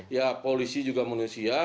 ya polisi juga manusia